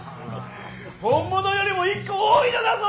本物よりも１個多いのだぞ！